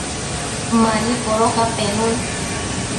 mani codoca penun